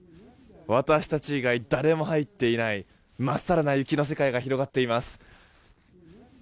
私たち以外、誰も入っていないまっさらな雪の世界が広がっています。